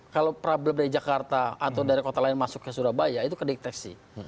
kalau problem dari jakarta atau dari kota lain masuk ke surabaya itu kedeteksi